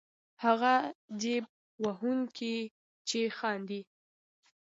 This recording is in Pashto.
هغه جېب وهونکی چې خاندي.